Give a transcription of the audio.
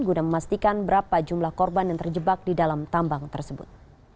guna memastikan berapa jumlah korban yang terjebak di dalam tambang tersebut